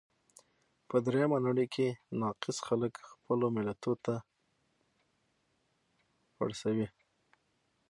په درېیمه نړۍ کې ناکس خلګ خپلو ملتو ته پړسوي.